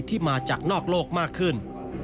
มาจากนอกโลกมากขึ้น